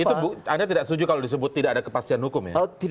itu anda tidak setuju kalau disebut tidak ada kepastian hukum ya